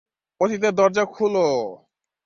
অতীতের দরজা খুলো!